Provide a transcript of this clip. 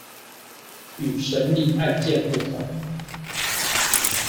與審理案件不同